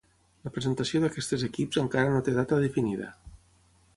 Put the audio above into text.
La presentació d’aquestes equips encara no té data definida.